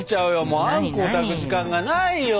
もうあんこを炊く時間がないよ。